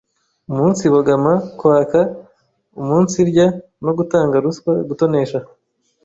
umunsibogama, kwaka, umunsirya no gutanga ruswa, gutonesha